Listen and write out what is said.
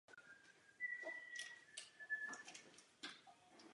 Jejím cílem je rovněž rozhodný boj proti nelegálnímu přistěhovalectví.